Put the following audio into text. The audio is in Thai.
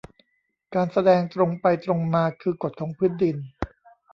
การแสดงตรงไปตรงมาคือกฎของพื้นดิน